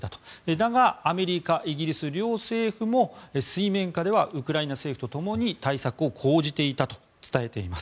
だがアメリカ、イギリス両政府も水面下ではウクライナ政府とともに対策を講じていたと伝えています。